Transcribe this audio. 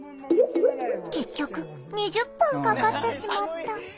結局２０分かかってしまった。